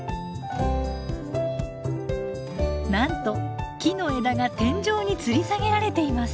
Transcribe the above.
なんと木の枝が天井につり下げられています。